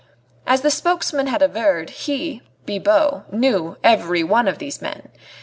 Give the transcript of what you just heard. As the spokesman had averred, he Bibot knew every one of these men.